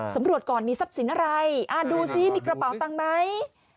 ตำรวจก่อนมีทรัพย์สินอะไรดูซิมีกระเป๋าตังค์ไหม